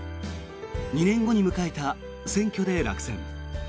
２年後に迎えた選挙で落選。